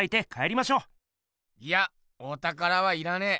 いやおたからはいらねえ。